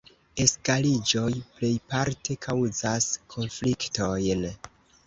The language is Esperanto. Eskaliĝoj plejparte kaŭzas konfliktojn.